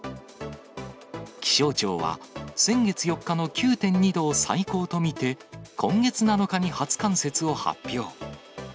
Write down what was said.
気象庁は、先月４日の９．２度を最高と見て、今月７日に初冠雪を発表。